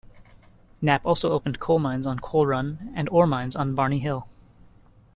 Knapp also opened coal mines on Coal Run and ore mines on "Barney Hill".